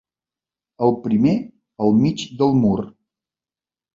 El primer al mig del mur.